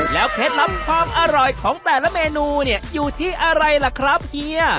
เคล็ดลับความอร่อยของแต่ละเมนูเนี่ยอยู่ที่อะไรล่ะครับเฮีย